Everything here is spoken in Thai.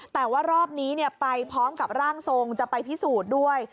แต่ว่ารอบนี้ไปพร้อมกับร่างทรงจะไปพิสูจน์ด้วย